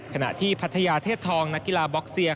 ขณะที่พัทยาเทพทองนักกีฬาบ็อกเซีย